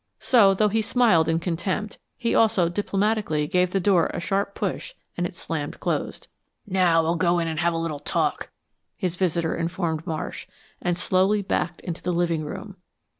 So, though he smiled in contempt, he also diplomatically gave the door a sharp push and it slammed closed. "Now, we'll go in and have a little talk," his visitor informed Marsh, and slowly backed into the living room.